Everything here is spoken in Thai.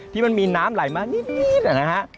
ที่มันมีน้ำไหลมานิดนะฮะ